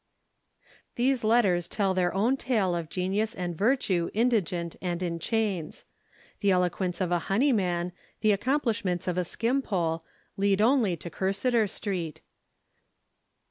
_ These letters tell their own tale of Genius and Virtue indigent and in chains. The eloquence of a Honeyman, the accomplishments of a Skimpole, lead only to Cursitor Street.